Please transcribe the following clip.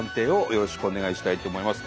よろしくお願いします。